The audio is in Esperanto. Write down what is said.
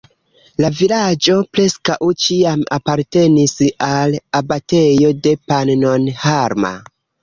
La vilaĝo preskaŭ ĉiam apartenis al abatejo de Pannonhalma.